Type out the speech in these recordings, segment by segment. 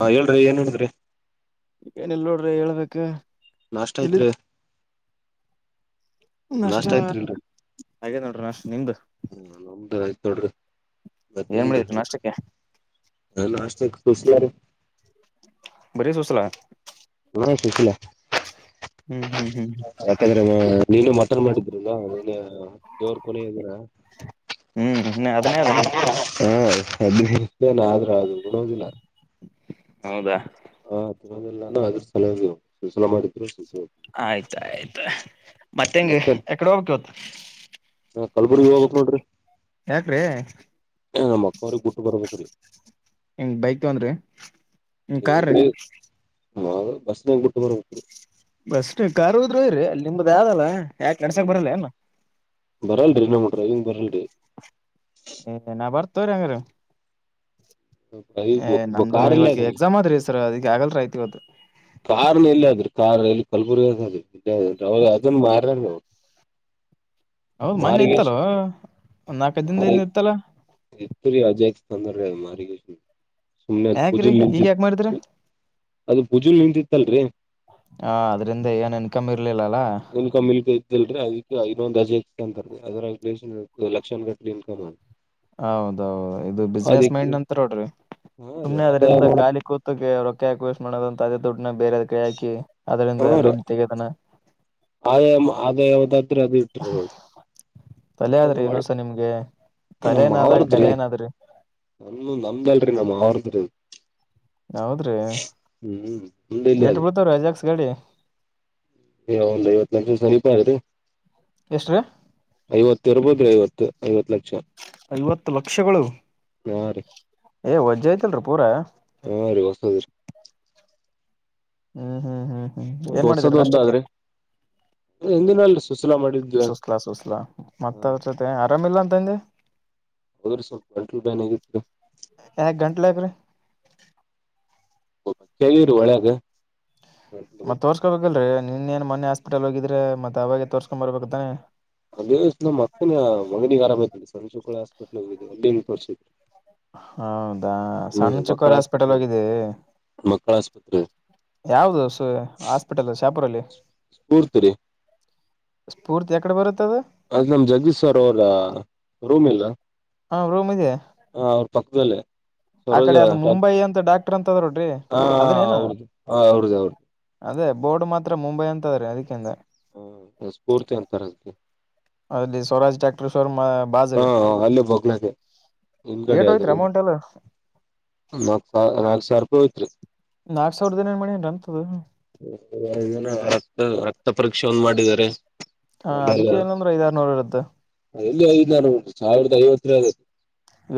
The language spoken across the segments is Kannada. ಹಾ ಹೇಳ್ರಿ ಏನ್ ಹೇಳ್ರಿ ಈಗಏನಲ್ ನೋಡ್ರಿ ಹೇಳ್ಬೇಕ ನಾಷ್ಟ ಇಲ್ಲಿದ್ ಯತ್ರಿೀ ನಷ್ಟ ಹಾಗೇ ನೋಡ್ರ ನಷ್ಟ ನಿಮ್ದು ಹ ನಮ್ದ ಆಯ್ತೊಡ್ರಿ ಏನ್ ಮತ್ತನ್ರಿ ಮಾಡಿದ್ರಿ ನಾಷ್ಟಕ್ಕೆ ಅಷ್ಟ ುಷ ರ ಬರ ಸ ಹಸಲ ಹಾ ಶುಖಲಾ ಹ್ಮ್ ಹ್ಮ್ ಯಕಂದ್ರೆ ನೀನು ಮಟನ್ ಮಾಡಿದ್ರು ನೀನ್ನ ದೋರ್ ಕೊಲೆ ಇದ್ರ ಹ್ಮ್ ಹ್ಮ ಅದನ್ನೇ ಅದಿನ ಹಾ ಹದಿನೇನ್ ಆದ್ರೂ ಅದು ನಡದಿಲ್ಲ ಹೌದಾ ಇರೋದಿಲ್ಲಾನ ಅದ್ರ ಸಲ ಶಸಲ ಮಾಡಿದ್ರು ಸುಶೀಲಾ ಆಯ್ತಾಯಯ್ತ ಮತ್ತ ಹೆಂಗ ಮತ್ತೆ ಎಕಡೆ ಹೋಗ್ಕ್ಕೆ ಹೊತ್ತು ಕಲ್ಬುರ್ಗಿ ಹೋಗ್ಬೇಕ್ ನೋಡ್ರಿ ಯಾಕ್ರೀ ಹ ಮಕ್ಕ ಅವರು ಕೂಟ್ಟುಪರಬೇಕು ಹಂಗ ಬೈಕ್ ತಗನ್್ರೀ ಕಾರ್್ರೀ ಹ ಬಸ್ದ್ ಬಿಟ್ಟು ಬರ ಹೋಗು ಬಸ್ ಕಾರ್ ಹದರುೂ ಇರಿ ಅಲ್ಲಿ ನಿಮ್ದ ಆದಲ್ಲ ಯಾಕೆ ನಡ್ಸಾಕ್ ಬರಲ್ಲ ನ ಬರಲ್ರಿ ನಮಡ್ರಿ ಇಂಗ್ ಬರಲ್ರಿ ಏ ನಾ ಬರ್ತವ್ರಿ ಹಂಗ್ರ ಏ್ ನಮ್ದು ಕಾರಲ್ಲೇ ಇವತ್ ಅದ್ರಿ ಎಕ್ಸಾಮ್ ಆದ್ರಿ ಸರ್ ಅದಿಗೆ ಆಗಲ್ ಆಯತು ಇವತ್ತು ಕಾರ್ನ್ ಇಲ್ಲ ಅದ್ರರು ಕಾರ್ ಎಲ್ಲಿ ಕಲ್ಬುರ್ಗ ಅವಾಗ ಅದನ್ ಮಾರ ನವು [inaudible] ಹ ಮೊನ್ನೆ ಇತ್ತಲ್ವ ಒ್ ನಾಲ್ಕೈ ಮಾರಿ ದಿನದಿಂದ ಇತ್ತಲ ತಂದಾರಿ ಅದನ್ನ ಮಾರಿ ಕೇಸಿನ್ ಸುಮ್ನೆ ಅದ ಯಾಕ್ರಿ ಪೂಜಲ್ ಈಗ ನಿಂತಿತ್ತ. ಯಾಕ ಮಾಡಿದ್ರಿ ನಿಂತಿತ್ತ ಅಲ್ರೀ. ಹ ಅದ್ರಿಂದ ಏನ್ ಇನ್ಕಮ್ ಇ ಇನ್ಕಮ್ ಇಲ್ಕ್ ಇದ್ದಲ್ರಿ ಅದಕ್ಕೆ ಐನ್ನೊಂದ್ ಅಜೆ ಅಂತ ಅದ್ರ್ನ್ [unintelligible] ಲಕ್ಷ ಹೌದೌದು ಇದು ಬಿಸ್ನೆಸ್ ಅದಕ್ಕೆ ಮೈಂಡ್ ಅಂತಾರ್ ನೋಡ್ರಿ. ಹಾ ರೀ ಸುಮ್ಮ್ನೆ ಆದಾಯ ಅದ್ರಿಂದ ನೋಡ ಖಾಲಿ ಕೂತಕ್ಕ ರೊಕ್ಕಾ ಯಾಕ್ ವೇಸ್ಟ್ ಮಾಡೋದ ಅಂತ ಅದೇ ದುಡ್ಡನ ಬೇರೆದ ಕೈ ಹಾಕಿ ಅದರಿಂದ ದುಡ್ಡು ತೆಗ್ಯತನ ಆದಾಯಂ ಆದಾಯ ಯಾವದ್ ಆತದ ಅದು ಇಟ್ಟಿರ್ ಏನ್. ತಲೆ ಆದ್ರಿ ಇನುಸ ನಿಮ್ಗೆ ತಲೆನ ಆದ ಕಲೆನಾದ್ರಿ. ನನ್ನ ನಮ್ದಲ್ರರಿ ನಮ್ಮ ಮಾವರಾದ್ರಿ ಇದ. ಹೌದ್ರಿ ಹ್ಮ್ ಹಟಲ್ಲ ಎಟ್ ಅಲ್ಲಿ ಬೀಳ್ತಾವ್ರಿ ಅಜಾಕ್ಸ್ ಗಾಡಿ ಏ ಒಂದ್ ಐವತ್ ನಿಮಿಷ ಸಮನೀಪ ಅದೆ ಎಷ್ಟ್ರೀ ಐವತ್ತ ಇರ್ಬೋದ್ರಿ ಐವತ್ತು ಐವತ್ತ ಲಕ್ಷ. ಐವತ್ತ ಲಕ್ಷಗಳು. ಹಾ ರಿ. ಏ ವಜ್ಜಿ ಆಯ್ತಲ್ರಿ ಪೂರಾ. ಹಾ ರೀ ಹೊಸದ್ ವಿ ಹ್ಮ್ ಹ್ಮ್ ಹ್ಮ್ ಹ್ಮ್ ಒಂದ್ ಏನ್ ಮಾಡಿದೀರ ಹೊಸದ ಒಂದ ನಾಷ್ಟಕ್ಕೆ? ಆದ್ರಿ ಹಿಂದಿನ ಅಲ್ರಿ ಸುಸಲಾ ಮಾಡಿದ್ವಿ ಸುಸ್ಲಾ ಸುಸ್ಲಾ ಮತ್ತ್ ಹ ಅದರ್ ಜೊತೆ ಆರಾಮಿಲ್ಲ ಅಂತಂದೀ. ಹೌದ್ರಿ ಸ್ವಲ್ಪ್ ಗಂಟ್ಲ್ ಬ್ಯಾನಿ ಆಗಿತ್ತ ರಿ. ಯಾಕ ಗಂಟ್ಲ ಯಾಕ್ರಿ ಕೇಳಗಿವ್ರಿ ಒಳ್ಯಾಗ್. ಮತ್ ತೋರ್ಸ್ಕೋಬೇಕಿಲ್ರೀ ನಿನ್ ಏನ್ ಮೊನ್ನ ಹಾಸ್ಪಿಟಲ್ ಹೋಗಿದ್ರೆ ಮತ್ ಅವಾಗ ತೋರ್ಸ್ಕೊಂಡ್ ಬರ್ಬೇಕತ್ತಾನೆ. ಅದೇ ವ ನಮ್ಮ ಅಕ್ಕನ ಮಗನಿಗೆ ಆರಾಮ ಇದ್ದಿಲ್ಲ ಸಣ್ಣ ಚಿಕ್ಕಳ್ಳ ಹಾಸ್ಪಿಟ್ಲ್ ಹೋಗಿದೇವ್ ಅಲ್ಲಿ ಹೆಂಗ್ ತೋರಿಸ್ಲಿ. ಹೌದಾ ಹ್ಮ್ ಸಣ್ಣ ಮಕ್ಕಳ ಚಿಕ್ಕವರ್ ಹಾಸ್ಪಿಟಲ್ ಆಸ್ಪತ್ರೆ ಹೋಗಿದ್ದಿ ಅದ ಮಕ್ಕಳ ಆಸ್ಪತ್ರೆ. ಯಾವ್ದ ಸ ಹಾಸ್ಪಿಟಲ್ ಶಾಪುರಲ್ಲಿ? ಸ್ಫೂರ್ತಿ ರೀ ಸ್ಫೂರ್ತಿ ಯಕಡೆ ಬರುತ್ತದ. ಅದ್ ನಮ ಜಗದೀಶ ಸರ್ ಅವರ ರೂಮ್ ಇಲ್ಲ ಹಾ ರೂಮ್ ಇದೆ. ಹ ಅವ್ರ ಪಕ್ಕದಲ್ಲೇ. ಹ್ಮ ಆ ಸರೋಜ ಕಡೆ ಅದು ಮುಂಬಯಿ ಅಂತ ಡಾಕ್ಟರ್ ಅಂತ ಅದ ನೋಡ್ರಿ ಹಾ ಅದನೇನು. ಅವ್ರದು ಹ ಅವ್ರದ್ದ ಅವ್ರದು ಅದೇ ಬೋರ್ಡ್ ಮಾತ್ರ ಮುಂಬೈ ಅಂತದ ರೀ ಅದಕ್ಕೆ ಅಂದೇ. ಹ ಸ್ಫೂರ್ತಿ ಅಂತಾರ ಅದಕ್ಕೆ ಅಲ್ಲಿ ಸ್ವರಾಜ್ ಡಾಕ್ಟರ್ ಶರ್ ಹಾ ಹಾ ಅಲ್ಲೇ ಬೋಗಲಾಗೆ ಹಿಂದಗಡೆ ಏಟ್ ಅದರ್ ಹೋಯ್ತ್ರಿ ಹಿಂದ ಅಮೌಂಟ್ ಎಲ್ಲ ನಾಲ್ಕ್ ಸಾವ ನಾಲ್ಕ ಸಾವಿರ ರೂಪಾಯಿ ಹೋಯತ್ರಿ. ನಾಕ್ ಸಾವಿರದ ಏನ್ ಏನ್ ಮಾಡ್ಯಾನ್ರಿ ಹಂತದು. ರಕ್ತ ರಕ್ತ ಪರೀಕ್ಷೆ ಒಂದ್ ಮಾಡಿದ್ದರಿ. ಹಾ ಅದಕ್ಕೆ ಏನಂದ್ರ ಐದಾರನೂರ ಇರುತ್ತ. ಎಲ್ಲಿ ಐದ್ ನ ಸಾವಿರದ ಐವತ್ರಿ ಅದ.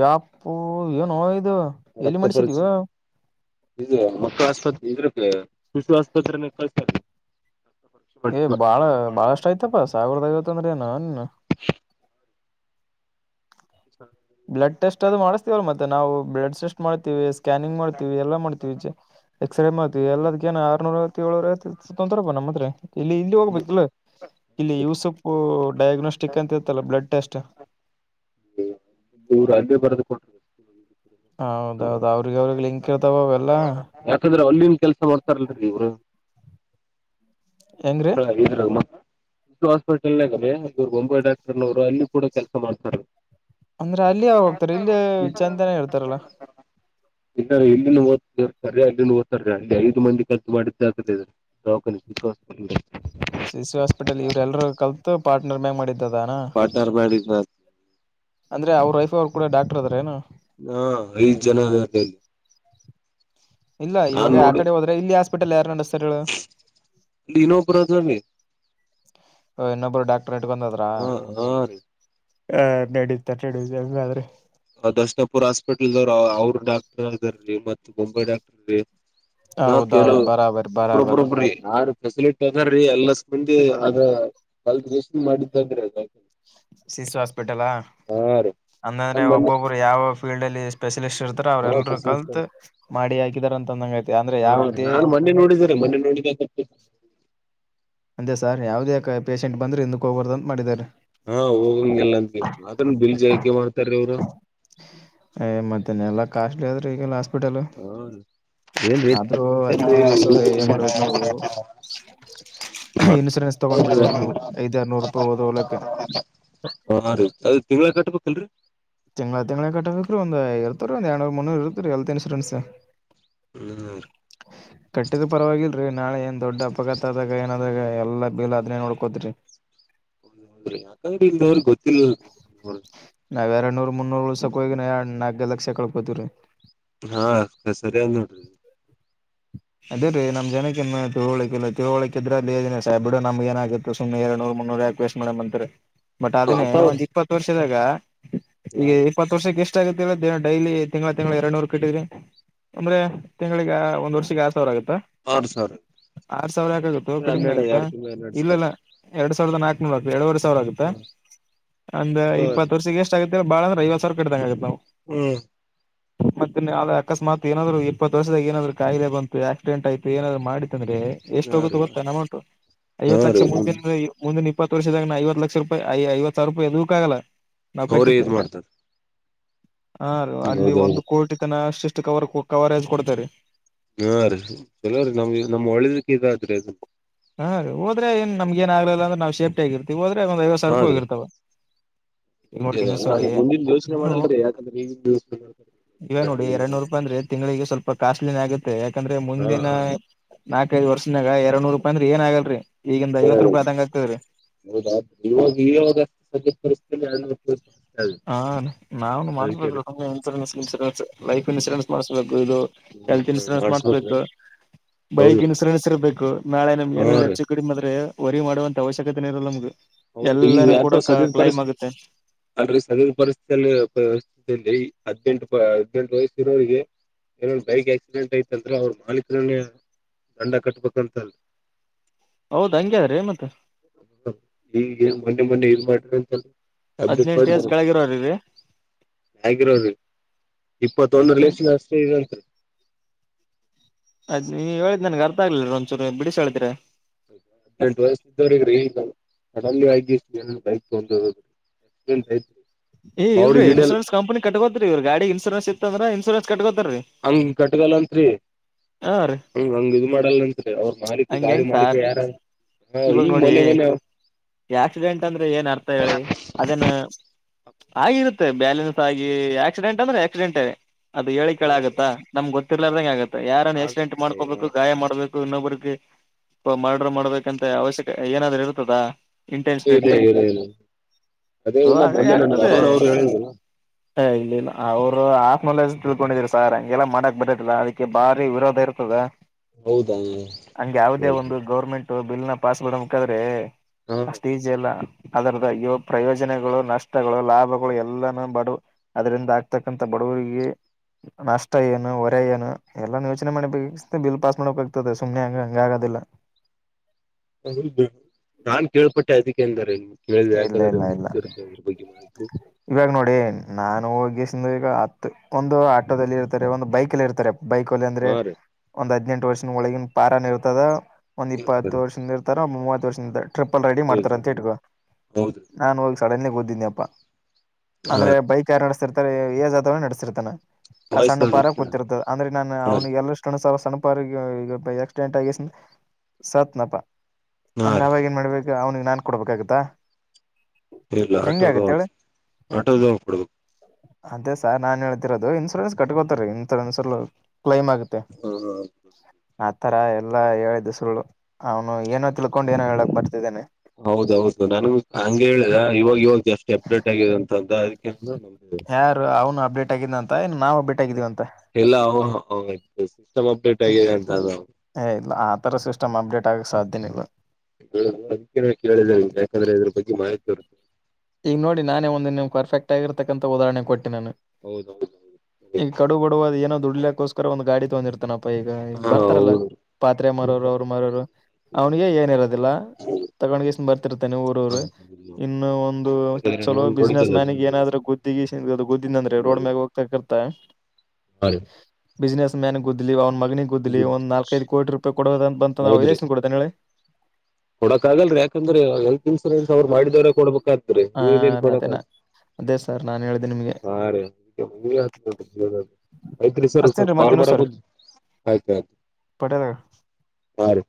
ಯಪ್ಪೋ ಏನೋ ಇದ. ರಕ್ತ ಪರೀಕ್ಷೆ ಇದ ಮಕ್ಕಳ ಆಸ್ಪತ್ರೆ ಇದ್ರ [unintelligible] ಏ ಬಾಳ ಬಾಳಷ್ಟ ಆಯ್ತಪ್ಪ ಸಾವಿರ್ದ ಐವತ್ ಅಂದ್ರ ಏನ್ ನಿನ್. ಬ್ಲಡ್ ಟೆಸ್ಟ್ ಅದು ಮಾಡಿಸ್ತಿವಲ್ಲ ಮತ್ತೆ ನಾವು. ಬ್ಲಡ್ ಟೆಸ್ಟ್ ಮಾಡ್ತೀವಿ ಸ್ಕ್ಯಾನಿಂಗ್ ಮಾಡ್ತೀವಿ ಎಲ್ಲ ಮಾಡ್ತೀವಿ ಜ ಎಕ್ಸರೆ ಮಾಡ್ತೀವಿ ಎಲ್ಲದಕ ಏನ್ ಆರ್ನೂರ ಐವತ್ತ ಲ್ನೂರ್ ಐವತ್ತ ತೊಂತಾರ್ ಅಪ್ಪಾ ನಮ್ಮ ಹತ್ರೆ ಇಲ್ಲಿ ಇಲ್ಲಿ ಹೋಗ್ಬೇಕಿಲ್ಲ ಇಲ್ಲಿ ಯೂಸುಪ್ ಡಯಾಗ್ನೋಸ್ಟಿಕ್ ಅಂತ ಇತ್ತಲ್ಲ ಬ್ಲಡ್ ಟೆಸ್ಟ್. ರು ಅಲ್ಲಿ ಬರೆದು ಕೊಟ್ಟ್ರ. ಹೌದೌದು ಅವ್ರಿಗ ಅವ್ರಿಗ್ ಲಿಂಕ್ ಇರ್ತಾವ ಎಲ್ಲಾ. ಯಾಕಂದ್ರೆ ಅಲ್ಲಿನ್ ಕೆಲ್ಸ ಮಾಡ್ತಾರಲ್ರಿ ಇವ್ರ. ಹೆಂಗ್ರೀ ಮಕ್ಕಳ ಆಗಿದ್ರ ಮ ಹಾಸ್ಪಿಟಲ್ಗ ಇವ್ರ ಬೊಂಬಾಯಿ ಡಾಕ್ಟರ್ನವ್ರು ಅಲ್ಲಿ ಕೂಡ ಕೆಲಸ ಮಾಡ್ತಾರಿ. ಅಂದ್ರೆ ಅಲ್ಲಿ ಯಾರ್ ಹೋಗ್ತಾರ ಇಲ್ಲೆ ಚೆಂತನ ಇರ್ತಾರಲ್ಲ ಇ ಇಲ್ಲಿನ್ನು ಓ ಅಲ್ಲಿ ಓತ್ತಾರೀ ಅಲ್ಲಿನೂ ಒಟ್ಟಾರೀ ಐದು ಮಂದಿ ಕಲ್ತು ಮಾಡಿದಿದ್ದಾದ ರಿ ಇದು ದವಾಖಾನೆ ಸಿಸಿ ಹಾಸ್ಪಿಟಲ್ ಇವ್ರ ಎಲ್ರುೂ ಕಲ್ತು ಪಾರ್ಟ್ನರ್ ಮ್ಯಾಗ ಮಾಡಿದ್ದದಾನ ಪಾರ್ಟ್ನರ್ ಮ್ಯಾರೇಜ್ ನ ಅಂದ್ರೆ ಅವ್ರ ವೈಫ್ ಅವ್ರು ಕೂಡ ಡಾಕ್ಟರ್ ಅದ್ರ ಏನ ಹಾ ಐದ್ ಜನ ಇಲ್ಲ ಇವಾಗ ಆ ಕಡೆ ಹೋದ್ರೆ ಇಲ್ಲಿ ಹಾಸ್ಪಿಟಲ್ ಯಾರ ನಡಸ್ತರ ಲನೋ ಬ್ರದೇ ಓ ಇನ್ನೊಬ್ಬರು ಡಾಕ್ಟ್ರ ಇಟ್ಕೊಂಡದ್ರ ಹಾ ಹಾ ರೀ ಹ ನಡೀತ ನಡುದಂಗಾದ್ರೆ ದಶಣಪುರ್ ಹಾಸ್ಪಿಟಲ್ದವರು ಅವ್ರು ಡಾಕ್ಟರ್ ಅದಾರೀ ಮತ್ ಮುಂಬೈ ಡಾಕ್ಟರ ನ ಕೇಳ ಹೌದೌದು ಬರಾಬರ್ ಒಬ್ರೊಬ್ರ ಬರಾಬರ್ ಒಬ್ರಿ ನಾನು ಫೆಸಿಲಿಟಿ ಅದೀ ಎಲ್ಲ ಬಂದಿ ಅ ಬಲ್ ದಷ್ಟ ಮಾಡಿದ್ದಾಗ್ರೀ ಅದ ಸಿ ಸಿ ಹಾಸ್ಪಿಟಲ ಹಾ ರೀ ಅಂದಂದ್ರೆ ನಾನ್ ಮೊನ್ನೆ ಒಬ್ಬೊಬ್ಬರು ಯಾವ ಫೀಲ್ಡ್ ಅಲ್ಲಿ ಸ್ಪೆಶ ಲೆ ಇರ್ತಾರೆ ಅವ್ರ ಹಾ ಎಲ್ರು ಫೆಸಿಲಿಟಿ ಕಲ್ತ್ ಮಾಡಿ ಹಾಕಿದಾರ ಅಂತ ಅಂದಂಗ ಐತಿ ಅಂದ್ರೆ ಯಾವುದೇ ರೋ ಸು [unintelligible] ಪೇಷಂಟ್ ಬಂದ್ರ ಹೋಗ್ಬಾರ್ದು ಅಂತ ಮಾಡಿದ್ದಾರೆ ಹಾ ಹೋಗಂಗ ಎಲ್ಲಂದಗೆ ಅದನ್ ಬಿಲ್ಜಾಕೆ ಮಾಡ್ತಾರೀ ಅವ್ರು ಏ ಮತ್ತೇನ ಎಲ್ಲಾ ಕಾಸ್ಟ್ಲಿ ಆದ ರೀ ಈಗಲ್ಲ ಆದ್ರೂ ಅದಕ್ಕೆ ಹ ಇನ್ನು ಸಾವಿರ ಏನ್ [unintelligible] ಇನ್ಶೂರೆನ್ಸ್ ತಗೊಂಡ್ ಬಿಡ್ಬೇಕ್ ನಾವು ಐದ್ ಆರ್ನೂರು ರೂಪಾಯಿ ಹೋದ್ರ ಹೋಗಲಕ್ಕ ಹಾ ರೀ ಅದ್ ತಿಂಗಳ ಕಟ್ಬೇಕಲ್ರೀ ತಿಂಗ್ಳ ತಿಂಗ್ಳ ಕಟ್ಬೇಕ್ರೀ ಒಂದು ಇರ್ತವ ರೀ ಒಂದ ಎರಡ್ನೂರ್ ಮುನ್ನೂರು ಇರತ್ತ ರೀ ಹೆಲ್ತ್ ಇನ್ಶೂರೆನ್ಸ್ ಹ್ಮ ಹ ಕಟ್ಟಿದ್ ಪರವಾಗಿಲ್ರಿ ನಾಳೆ ಏನ್ ದೊಡ್ ಅಪಘಾತ ಆದಾಗ ಏನಾದಾಗ ಎಲ್ಲಾ ಬಿಲ್ ಅದ್ನೇ ನೋಡ್ಕೋತ್ರೀ [inaudible] ನೋಡ್ರಿ ಯಾಕಂದ್ರ ಈಗಿನವರಿಗೆ ಗೊತ್ತಿಲ್ಲ ಅಲ್ರಿ ಎರಡು ನೂರ್ ಮುನ್ನೂರು ಉಳಸಕ ಹೋಗಿ ನಾಕೈದ್ ಲಕ್ಷ ಕಳ್ಕೋತಿವ್ರಿ ಹಾ ಕ ಸರಿ ನೋಡ್ರ ಅದೇ ರೀ ನಮ ಜನಕ್ಕಿನ್ನ ತಿಳಿವಳಿಕೆ ಇಲ್ಲ ತಿಳಿವಳಿಕೆ ಇದ್ರ ಅಲ್ಲಿನ ಸ ಬಿಡ ನಮಗೇನ್ ಆಗತ್ತು ಸುಮ್ನೆ ಎರಡನೂರು ಮುನ್ನೂರು ಯಾಕ್ ವೇಸ್ಟ್ ಮಾಡನ ಅಂತರಿ ಬಟ್ ಅದನ್ನೇ ಆತಾವ್ರ ಒಂದ್ ಇಪ್ಪತ್ತು ವರ್ಷದಾಗ ಹಾ ಈಗ ರೀ ಇಪ್ಪತ್ತು ವರ್ಷಕ್ಕೆ ಎಷ್ಟ ಷ್ಟ ಡೈಲಿ ತಿಂಗಳ ತಿಂಗಳ ಎರಡ್ ನೂರು ಕಟ್ಟಿದ್ರಿ ಅಂದ್ರೆ ತಿಂಗಳಿಗೆ ಒಂದ ಆರು ಸಾವಿರ ಆಗುತ್ತಾ ಆರ್ ಸಾವಿರ ಆರ್ ಸಾವಿರ ಯಾಕಾಗುತ್ತ ಕಡಿಮೆ ಹನ್ನೆರಡು ಆಗುತ್ತಾ ಎರಡ್ ತಿಂಗಳ ಹನ್ನೆರಡು ಸಾವಿರ ಇಲ್ಲಲ್ಲ ಎರಡ್ ಸಾವಿರದ ನಾಕ್ನೂರು ಆಗುತ್ತೆ ಎರಡುವರೆ ಸಾವಿರ ಆಗುತ್ತೆ ಅಂದ್ ಹಾ ರೀ ಇಪ್ಪತ್ತು ವರ್ಷಕ್ಕೆ ಎಷ್ಟ ಆಗುತ್ತೆ ಬಾಳಂದ್ರ ಐವತ್ತು ಸಾವ್ರ ಕಟ್ಟಿದದಗಗತ್ತಾ ನಾವು ಹ್ಮ್ ಮತ್ತೆ ಆದೆ ಅಕಸ್ಮಾತ್ ಏನಾದ್ರು ಇಪ್ಪತ್ ವರ್ಷದಗ ಏನಾದ್ರು ಕಾಯಿಲೆ ಬಂತು ಆಕ್ಸಿಡೆಂಟ್ ಆಯ್ತು ಏನಾದ್ ಮಾಡ ಂದ್ರೆ ಎಷ್ಟು ಹಾ ಹೋಗುತ್ತ ರೀ ಗೊತ್ತಾನ ಅಮೌಂಟ್ ಹಾ ಐವತ್ತು ಲಕ್ಷ ರೀ ಮುಂದಿನ ಮುಂದಿನ ಇಪ್ಪತ್ತು ವರ್ಷದಾಗ ನ ಐವತ್ತು ಲಕ್ಷ ರೂಪಾಯ ಐವತ್ತ್ ಸಾವಿರ ರೂಪಾಯಿ ಎದಕ್ಕೂ ಆಗಲ್ಲ ನಾವ್ ಅವ್ರ ಕಟ್ಟಿದ್ದೆ ಈದ್ ಮಾಡ್ತಾರ ಹಾ ರ ಅಲ್ಲಿ ಒಂದು ಹೌದೌದು ಕೋಟಿ ತನ ಅಷ್ಟಿಷ್ಟು ಕವರ್ ಕವರೈಜ್ ಕೊಡ್ತಾರ್ರಿ ಹಾ ರೀ ಚಲೋ ರೀ ನಮ್ ನಮ್ಮ್ ಒಳ್ಳದಕ್ಕೆ ಇದಾದ್ರಿ ಅದು ಹಾ ಹೋದ್ರೆ ಏನ್ಮ್ ಏ ಆಗ್ಲಿಲ್ಲ ಅಂದ್ರ ನವು ಸೇಫ್ಟ ಆಗರ್ತಿವಿ ಹೋದ್ರೆ ಒಂದ್ ಐವತ್ತ್ ಸಾವ್ರ ರೂಪ ಹೋಗಿರ್ತಾವ ಈಗ ನೋಡ್ರಿ ಇನ್ನುಸರಿ ಮುಂದಿಂದ್ ಯೋಚನೆ ಮಾಡಲ್ರಿ ಯಾಕಂದ್ರೆ ಯ ಇವ ನೋಡಿ ಎರಡನೂರ್ ರೂಪಾಯಿ ಅಂದ್ರೆ ತಿಂಗಳಿಗೆ ಸ್ವಲ್ಪ ಕಾಸ್ಟ್ಲಿನ ಆಗುತ್ತೆ ಯಾಕಂದ್ರೆ ಹಾ ಮುಂದಿನ ಹಾ ನಾಕೈದು ವರ್ಷನಾಗ ಎರಡ್ನೂರು ರೂಪಾಯಿ ಅಂದ್ರೆ ಏನ್ ಆಗಲ್ರರಿ ಈಗಿಂದ ಹೌದ ಐವತ್ ರೂಪಾಯಿ ಆದಂಗ ಆಗ್ತದ್ರೀ ಇವಾಗ ಇವಾಗಷ್ಟು ಸದ್ಯ ಪರಿಸ್ಥಿತಿ ಹಾ ನಾನು ಅದಕ್ಕೆ ರೀ ಮಾಡಸ್ಬೇಕ್ರ ಸು ಇನ್ಶೂರೆನ್ಸ್ ಇನ್ಶೂರೆನ್ಸ್ ಲೈಫ್ ಇನ್ಶೂರೆನ್ಸ್ ಮಾಡ್ಸ್ಬೇಕು ಇದು ಎಲ್ತ್ ಇನ್ಸೂರೆನ್ಸ್ ಮಾಡ್ಸ್ಬೇಕ್ರಿ ಮಾಡ್ಸ್ಬೇಕು ಬೈಕ ಹೌದು ಇನ್ನು ಸಣಸಿರ್ಬೇಕು ನಾಳೆ ನಮ್ಗೆ ಹಾ ಏನ ರೀ ಹೆಚ್ಚ ಕುಡಿಮ ಆದ್ರೆ ವರಿ ಮಾಡುವಂತ ಅವಶ್ಯಕತೆ ಇರಲ್ಲ ನಮ್ಗೆ ಹೌದ್ರಿ ಎಲ್ಲಾನೂ ಕೂಡ ಕ ಕ್ಲೈಮ್ ಆಗುತ್ತೆ ಅಂದ್ರೆ ಸದ ಪರಿಸ್ಥಿ ಪರಿಸ್ಥ ಹದ್ಿನೆಂಟು ಹದ್ನೆಂಟು ವಯಸ್ಸ ಇರೋರಿಗೆ ಏನೊಂದು ಬೈಕ್ ಆಕ್ಸಿಡೆಂಟ್ ಐತಂದತ್ರ ಅವ್ರ ಮಾಲೀಕರನ್ನೇ ದಂಡ ಕಟ್ಬೇಕಂತಲ್ ಹೌದ ಹಂಗ್ಯಾದ್ರಿ ಮತ್ತ ಈ ಮೊನ್ನೆ ಮೊನ್ನೆ ನ್ ಮಾಡ್ರಿ ಅಂತ ಹದ್ನೆಂಟ ಏಜ್ ಕೆಳಗಿರೋರರಿಗೆ ರೀ ಹಗಿರೋರಿ ಇಪ್ಪತ್ತೊಂದರ ಹದ್ನೆಂಟ್ ಲಲೆಸನ್ ಅಷ್ಟೇ ಇತ್ರಿ ನೀ ಹೇಳಿದ್ ನನ್ಗೆ ಅರ್ಥ ಆಗ್ಲಿಲ್ಲರಿ ಒಂಚೂರು ಬ ಬಿಡಿಸ ಹೇಳಿದ್ರರಿ ಹದ್ನೆಂಟು ವರ್ಸ್ ಇದ್ದವ್ರಗ್ರ ಿಲ್ಲ ನಾನ ಅಲ್ಲಿ ಆಗಿಷ್ಟ ಬೈಕ್ ತಂದ್ರಿ ಂತ್ತ್ರಿ ಈ ಇಲ್ರಿ ಇನ್ೂನ್ ಕಂಪನಿ ಕಟ್ಟಕೋತ್ೀ ಇವ ಗಾಡಿ ಇನ್ೂರೆನ್ಸ್ತ್ತ ಅಂದ್ರ ಇನ್ಸೂರೆನ್ಸ್ ಕಟ್ಟಕೋ ಹಂಗ ಕಟ್ಗಲ್ಂರಿ ಹಾ ರೀ ಹ್ಮ ಹಂಗ ಇ ಮಾಡಲ್ಲಂತ್ರಿ ಅವ್ರು ಮಾಡಿಕ ಹಂಗ ಗಾಡಿ ಹೆಂಗ್ ಮಾಡಿಕ ಸಾರ್ ಯಾರ ಹಾ ಇವಾಗ ಈಗ ನೋಡಿ ಮನೆ ಮನೆ ಆಕ್ಸಿಡೆಂಟ್ ಅಂದ್ರೆ ಏನ್ ಅರ್ಥ ಹೇಳಿ ಅದೇನ್ ಆಿರುತ್ತೆ ಬ್ಯಾಲೆನ್ಸ್ ಆಗಿ ಆಕ್ಸಿಡೆಂಟ್ ಅಂದ್ರೆ ಆಕ್ಸಿಡೆಂಟ್ ಅದು ಹೇಳಿೇಳ ಆಗತ್ತಾ ನಮ್ ಗೊತ್ತಿರ್ಾರ್ರಂಗ ಆಗತ್ತ ಯಾರನ್ ಆಗ ಆಕ್ಿಡೆಂಟ್ ಮಾಡ್ಕೋಬೇಕು ಇಲ್ಲ ಗಾಯ ಮಾಡ್ಬೇಕು ಇನ್ನೊಬ್ರಿಗೆ ಮರ್ಡ್ರರ್ ಮಾಡ್ಬೇಕಂತ ಅವಶ್ಯಕ ಏನಾದ್ರರು ಇರ್ತದಾ ಇಂಟೆನ್ಸ್ನೆಟ್ ಇಲ್ಲ ಇಲ್ಲ ಅದೇ ಸ ಇಲ್ಲ ಹಾಗ ಮೊನ್ನೆ ನನ್ಗೆ ಆಗ್ತದೆ ಅರುಣ್ ಅವ್ರು ಹೇಳಿದ್ರು ಏ ಇಲ್ಲ ಇಲ್ಲ ಅವ್ರು ಆಫ್ ನಾಲೆಜ್ ತಿಳ್ಕೊಂಡಿದರಿ ಸಾರ್ ಹಂಗೆಲ್ಲ ಮಾಡಕ್ ಬರೋದಿಲ್ಲ ಅದಕ್ಕೆ ಬಾರಿ ವಿರೋಧ ಇರ್ತದ ಹೌದಾ ಹಂಗೆ ಯಾವುದೇ ಒಂದು ಗೌರ್ಮೆಂಟ್ ಬಿಲ್ ನ ಪಾಸ್ ಮಾಡ ಮುಕ್ಾದ್ರೆ ಹಾ ಅಷ್ಟು ಈಜೆ ಅಲ್ಲ ಅದರದ ಪ್ರಯೋಜನಗಳು ನಷ್ಟಗಳು ಲಾಭಗಳು ಎಲ್ಲಾನ ಬ ಅದರಿಂದ ಆಗ್ತಕ್ಕಂತ ಬಡ ಊರಿಗೆ ನಷ್ಟ ಏನು ಹೊರೆ ಏನು ಎಲ್ಲಾ ಯೋಚನೆ ಮಾಡಬೇಕ ಬಿಲ್ ಪಾಸ್ ಮಾಡ್ಬೇಕಾಗಗ್ತದೆ ಸುಮ್ನೆಂಗ ಹಂಗ ಆಗದಿಲ್ಲ ಹೌದು ನಾನ್ ಕೇಳ್ಪಟ್ಟೆ ಅದಕ್ಕೆ ಅಂದರೆೇ ಇಲ್ಲ ಇಲ್ಲ ಇಲ್ಲ ಮಾಹಿತಿ ಇವಾಗ ನೋಡಿ ನಾನು ಹೋಗಿ ಈಗ ಹತ್ತು ಒಂದು ಆಟೋದಲ್ಲಿ ಇರ್ತಾರೆ ಒಂದು ಬೈಕ್ಲ್ಲಿ ಇರ್ತಾರೆ ಬೈಕ ಅಲ್ಲಿ ಅಂದ್ರೆ ಹಾ ರೀ ಒಂದು್ ಹದ್ೆಂಟ ಎ ವರ್ಷದ ಒಳಗಿನ ಪಾರನ್ ಇರ್ತದ ಒಂದ್ ಇಪ್ಪತ್ತು ವರ್ಷದ ಇರ್ತಾರ ಮೂವತ್ ವರ್ಷದಿಂದ ಟ್ರಿಪಲ್ ರೆಡಿ ಮಾಡ್ತಾರ ಅಂತ ಇಟ್ಕೊ ಹೌದ್ರಿ ನಾನನ್ ಹೋಗಿ ಸಡನ್ಲಿಿಗೆ ಓದೀನಿ ಅಪ್ಪಾ ಹಾ ಅಂದ್ರೆ ರೀ ಬೈಕ್ ಯಾರು ನಡೆಸ್ತಿರ್ತಾರೆ ಏಜ್ಾತವನ ನಡೆಸ್ತಿರ್ತಾನ ಆ ಸಣ್ಣ ಪಾರ ವಯಸ್ಸ ಕೂತಿರ್ತದ ಅಂದ್ರೆ ನಾನನ್ ಹಾ ಅವ್ನು ಎಲ್ಲರಷ್ಟುಸ ತನಪಗ ಈಗ ಆಕ್ಸಿಡೆಂಟ್ ಆಗ ಸಾತ್ನಪ ಹಾ ಅಂದ್ರೆ ರೀ ಅವಾಗ ಏನ್ ಮಾಡ್ಬೇಕು ಅವ್ನಿಗೆ ನಾನ್ ಕೊಡ್ಬೇಕಾಗತ್ತಾ ಇಲ್ಲ ಹೆಂಗ ಆಟೋದ ಆಗತ್ತ ಹೇಳಿ ಆಟೋದ ಕೊಡಬೇಕ ಅದೇ ಸರ್ ನಾನು ಹೇಳ್ತಿರೋದು ಇನ್ಶೂರೆನ್ಸ್ ಕಟ್ಟಬೇಕ್ರಿ ಕ್ಲೈಮ್ ಆಗುತ್ತೆ ಹಾ ಹ ತರ ಎಲ್ಲಾ ಹೇಳಿದ್ದ ಸುಳ್ಳು ಅವನು ಏನ ಹೌದು ಹೌದೌದು ನನು ಹಂಗೆ ಹೇಳಿದ ಇವಾಗ ಇವಾಗತ್ತು ಎಷ್ಟು ಅಪ್ಡೇಟ್ ಆಗಿದೆ ಅಂತ ಅಂತ ಅದಕ್ಕೆ ಯಾರು ಅವನ ಅಪ್ಡೇಟ್ ಹಾಕಿದ್ನಂತ ಎಲ್ಲಾ ಸಿಸ್ಟಮ್ ಅಪ್ಡೇಟ್ ಹ್ಮ್ ಆಗಿದೆ ಅಂತ ಏ ಇಲ್ಲ ಆದರೆ ಸಿಸ್ಟಮ್ ಅಪ್ಡೇಟ್ ಆಗೋಕೆ ಸಾಧ್ಯನೇ ಇಲ್ಲ ಅದಕ್ಕೆ ಕೇಳಿದ ಯಾಕಂದ್ರೆ ಇದ್ರ ಬಗ್ಗೆ ಮಾಹಿತಿ ಇರುತದೆ ಈಗ ನೋಡಿ ನಾನೇ ಒಂದ ನಿ ನೀ್ ಪರ್ಫಕ್ಟ್ ಆಗಿರತಕ್ಕಂತ ಉದಾಹರಣೆ ಕೊಟ್ಟೆ ನಾನು ಹೌದೌದು ಈಗ ಕಡು ಬಡುವ ಏನೋ ದುಡ್ಲಿಕ್ಕೋಸ್ಕರ ಒಂದ್ ಗಾಡಿ ತೊಂದಿರ್ತೇಾನ ಅಪ ಈಗ ಈಗ ಹಾ ಬರ್ತಾರಲ್ಲ ಹೌದು ಪಾತ್ರೆ ಮರೋರು ಅವ್ರ ಮರೋರು ಅವನಿಗೆ ಏನ ಇರೋದಿಲ್ಲ ತಗೊಂಡ್ಗಸ ಬರ್ತಿರ್ತೇನೆ ಊರವರು ಇನ್ನು ಒಂದು ಯಾಕಂದ್ರೆ ಚಲೋ ನಾನ್ ಬಿಸ್ನೆಸ್ ನೋಡಿದ್ದಲ್ಲ ಮ್ಯನ್ಗ ಏನಾದ್ರೂ ಗುದ್ದಿಗೆ ಗುದ್ದಿದ ಅಂದ್ರೆ ರೋಡ್ ಮ್ಯಾಗ ಹೋಗ್ತಾರ್ತ ಹ ಬಿಸ್ನೆಸ್ ಮ್ಯಾನ್ ಗುದ್ಲಿ ಅವ್ ಮನಿಗೆ ಗುದ್ಲಿ ಒಂದು ನಾಲ್ಕೈದು ಕೋಟ ರೂಪಾಯ ಕೊಡೋ ಅಂತಂದ ಇಲೇಸನ್ ಕೊಡ್ತ ಹೇಳಿ ಕೊಡಕಾಗಲ್ಲ ಯಾಕಂದ್ರೆ ಇನ್ಶೂರೆನ್ಸ್ ಮಾಡಿದರೆ ಕೊಡಬೇಕು ಹ ಇವರೇನು ಕೊಡಕ್ಕೆ ಅದೇನಾ ಅದೇ ಸರ್ ನಾನ್ ಹೇಳಿದೀನ ಹಾ ರಂ ಯ್ತ್ರಿ ಸರ್ ಸ್ವಲ್ಪ ಅಷ್ಟೇನ್ರಿ ಕಾಲ್ ಮತ್ತೇನು ಸರ್ ಮಾಡರುದು ಆಯ್ತತು ಪಟೇಲ್ ಹಂ ರಿ